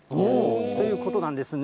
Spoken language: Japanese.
ということなんですね。